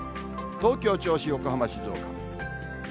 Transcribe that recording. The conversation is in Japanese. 東京、銚子、横浜、静岡。